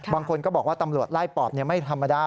บางคนก็บอกว่าตำรวจไล่ปอบไม่ธรรมดา